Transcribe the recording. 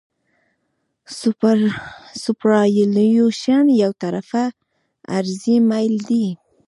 سوپرایلیویشن یو طرفه عرضي میل دی